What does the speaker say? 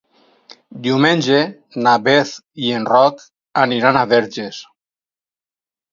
Diumenge na Beth i en Roc aniran a Verges.